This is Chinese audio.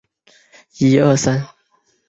明末清初山西阳曲人。